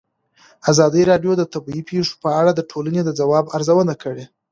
ازادي راډیو د طبیعي پېښې په اړه د ټولنې د ځواب ارزونه کړې.